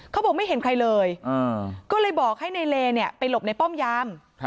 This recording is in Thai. เขาบอกไม่เห็นใครเลยก็เลยบอกให้ในเลไปหลบในป้อมยาม